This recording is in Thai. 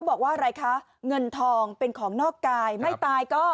บอกว่าอะไรคะเงินทองเป็นของนอกกายไม่ตายก็